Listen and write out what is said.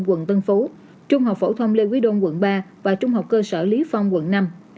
quận tân phú trung học phổ thông lê quý đôn quận ba và trung học cơ sở lý phong quận năm